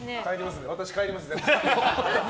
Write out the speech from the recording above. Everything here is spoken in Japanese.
私、帰りますんで。